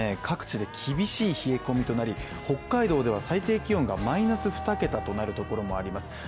各地で厳しい冷え込みとなり、北海道では最低気温がマイナス２桁となるところもあります。